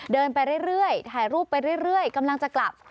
เดินไปเรื่อยถ่ายรูปไปเรื่อยกำลังจะกลับ